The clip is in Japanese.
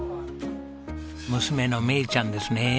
娘の芽以ちゃんですね。